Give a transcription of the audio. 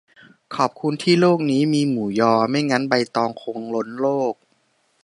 ขอบคุณที่โลกนี้มีหมูยอ ไม่งั้นใบตองคงล้นโลก